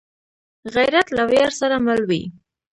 غیرت له ویاړ سره مل وي